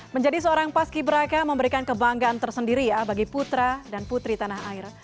menjadi seorang paski beraka memberikan kebanggaan tersendiri ya bagi putra dan putri tanah air